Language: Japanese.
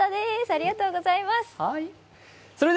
ありがとうございます。